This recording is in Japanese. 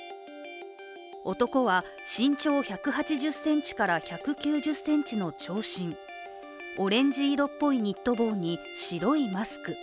男は身長１８０ｃｍから１９０ｃｍの長身、オレンジ色っぽいニット帽に白いマスク。